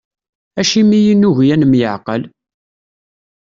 Acimi i nugi ad nemyeεqal?